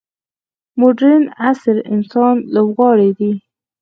مډرن عصر انسان لوبغاړی دی.